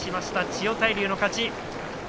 千代大龍の勝ち。